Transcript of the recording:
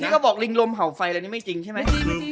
ที่เขาบอกลิงลมเห่าไฟแบบนี้ไม่จริงใช่ไหม